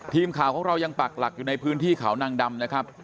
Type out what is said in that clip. ทีมข่าวของเรายังปักหลักอยู่ในพื้นที่เขานางดำนะครับ